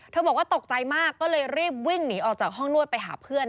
บอกว่าตกใจมากก็เลยรีบวิ่งหนีออกจากห้องนวดไปหาเพื่อน